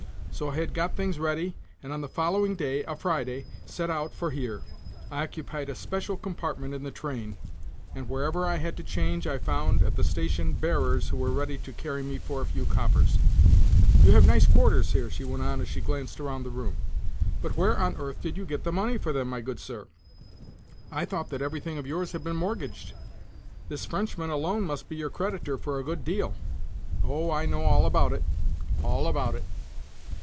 So I had got things ready, and on the following day, a Friday, set out for here. I occupied a special compartment in the train, and where ever I had to change I found at the station bearers who were ready to carry me for a few coppers. You have nice quarters here," she went on as she glanced around the room. "But where on earth did you get the money for them, my good sir? I thought that everything of yours had been mortgaged? This Frenchman alone must be your creditor for a good deal. Oh, I know all about it, all about it."